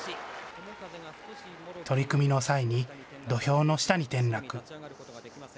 取り組みの際に土俵の下に転落。